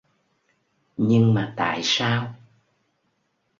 Nhưng mà tại sao